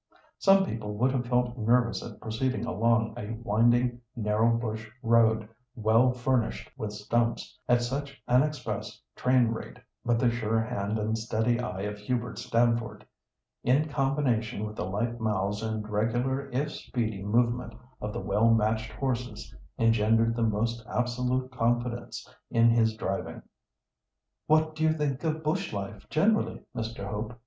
Some people would have felt nervous at proceeding along a winding, narrow bush road, well furnished with stumps, at such an express train rate, but the sure hand and steady eye of Hubert Stamford, in combination with the light mouths and regular if speedy movement of the well matched horses, engendered the most absolute confidence in his driving. "What do you think of bush life generally, Mr. Hope?"